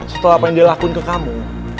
setelah apa yang dia lakuin ke kamu